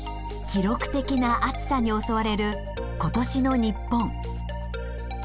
記録的な暑さに襲われる今年の日本。